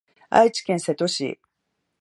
愛知県瀬戸市